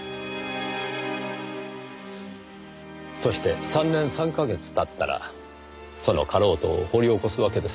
そして３年３か月経ったらそのかろうとを掘り起こすわけですね？